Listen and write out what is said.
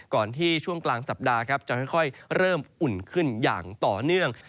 ก่อนที่ช่วงกลางสัปดาห์ครับจะค่อยเริ่มอุ่นขึ้นอย่างต่อเนื่อง